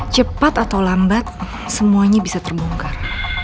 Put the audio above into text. cepat atau lambat semuanya bisa terbongkar